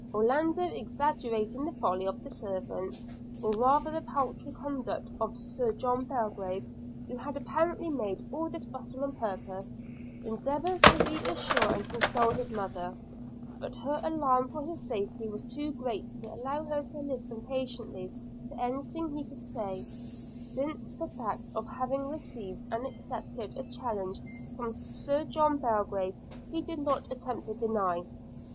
Orlando, execrating the folly of the servants, or rather the paltry conduct of Sir John Belgrave, who had apparently made all this bustle on purpose, endeavoured to re assure and console his mother; but her alarm for his safety was too great to allow her to listen patiently to any thing he could say, since the fact of his having received and accepted a challenge from Sir John Belgrave he did not attempt to deny.